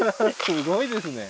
すごいですね